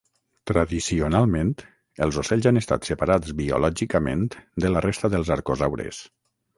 Tradicionalment els ocells han estat separats biològicament de la resta dels arcosaures.